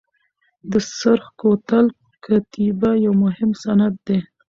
د سرخ کوتل کتیبه یو مهم سند دی.